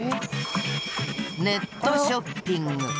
ネットショッピング。